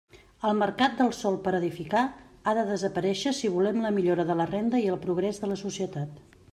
El mercat del sòl per edificar ha de desaparéixer si volem la millora de la renda i el progrés de la societat.